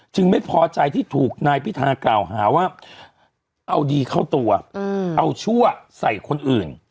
ไม่พอใจที่ถูกนายพิธากล่าวหาว่าเอาดีเข้าตัวเอาชั่วใส่คนอื่น